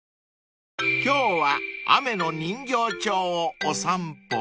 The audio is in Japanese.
［今日は雨の人形町をお散歩］